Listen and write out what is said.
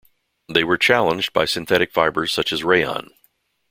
They were challenged by synthetic fibres such as rayon.